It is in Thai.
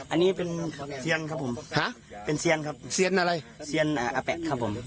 อันนี้เป็นเซียนครับผมฮะเป็นเซียนครับเซียนอะไรเซียนอาแปะครับผม